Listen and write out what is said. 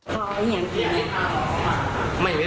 เจ็บตรงเทอม